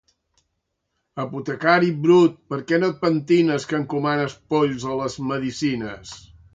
Apotecari brut, per què no et pentines, que encomanes polls a les medicines.